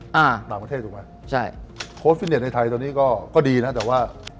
สำหรับประเทศถูกไหมคุณฟิตเนทในไทยก็ดีนะแต่ว่า